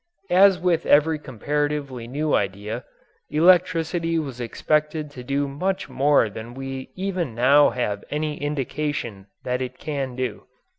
As with every comparatively new idea, electricity was expected to do much more than we even now have any indication that it can do.